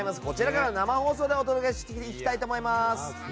こちらから生放送でお届けしていきたいと思います。